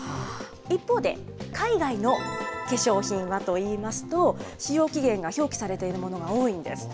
一方で、海外の化粧品はといいますと、使用期限が表記されているものが多いんです。